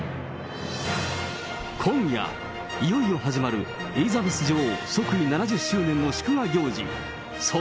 今夜、いよいよ始まる、エリザベス女王即位７０周年の祝賀行事。